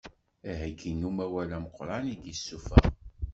Aheggi n umawal ameqqran i d-yesuffeɣ.